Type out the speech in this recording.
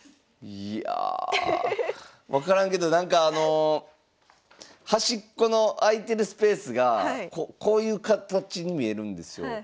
いや分からんけどなんかあの端っこの空いてるスペースがこういう形に見えるんですよ。